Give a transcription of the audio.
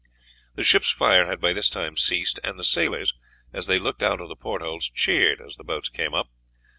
The ship's fire had by this time ceased, and the sailors, as they looked out of the portholes, cheered as the boats came up.